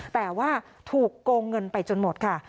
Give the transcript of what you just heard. แต่ว่าถูกโกงเงินไปจนหมดค่ะ